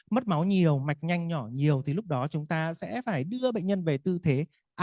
mất máu nhiều mạch nhanh nhỏ nhiều thì lúc đó chúng ta sẽ phải đưa bệnh nhân về tư thế